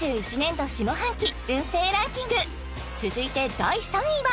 続いて第３位は？